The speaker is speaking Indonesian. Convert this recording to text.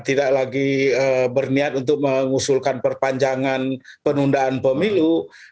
tidak lagi berniat untuk mengusulkan perpanjangan penundaan pemilu